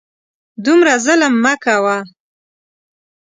دومره ظلم مه کوه !